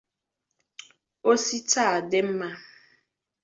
O si taa dị mma